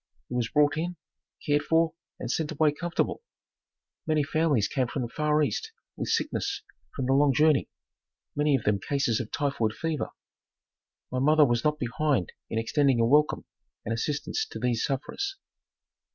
He was brought in, cared for and sent away comfortable. Many families came from the far east with sickness from the long journey, many of them cases of typhoid fever. My mother was not behind in extending a welcome and assistance to these sufferers.